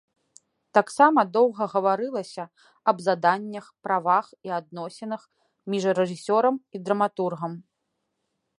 Таксама доўга гаварылася аб заданнях, правах і адносінах між рэжысёрам і драматургам.